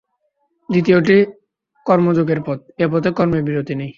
দ্বিতীয়টি কর্মযোগের পথ, এ পথে কর্মের বিরতি নাই।